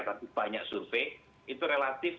tapi banyak survei itu relatif